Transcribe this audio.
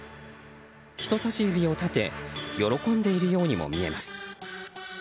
人さし指を立て喜んでいるようにも見えます。